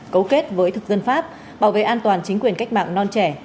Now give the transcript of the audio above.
cấu kết với thực dân pháp bảo vệ an toàn chính quyền cách mạng non trẻ